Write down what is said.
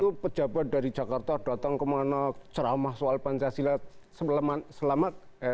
itu pejabat dari jakarta datang kemana ceramah soal pancasila selamat